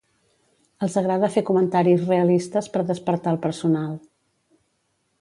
Els agrada fer comentaris realistes per despertar el personal.